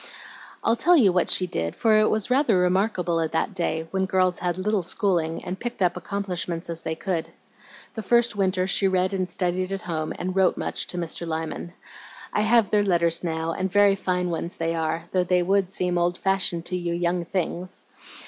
"I'll tell you what she did, for it was rather remarkable at that day, when girls had little schooling, and picked up accomplishments as they could. The first winter she read and studied at home, and wrote much to Mr. Lyman. I have their letters now, and very fine ones they are, though they would seem old fashioned to you young things.